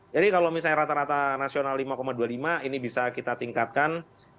jadi kalau misalnya rata rata nasional lima dua puluh lima ini bisa kita tingkatkan